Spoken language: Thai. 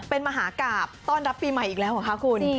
เป็นมหากราบต้อนรับปีใหม่อีกแล้วเหรอคะคุณ